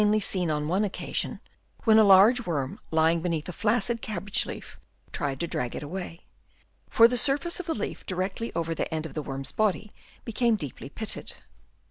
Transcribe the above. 59 seen on one occasion, when a large worm lying beneath a flaccid cabbage leaf tried to drag it away ; for the surface of the leaf directly over the end of the worm's body became deeply pitted.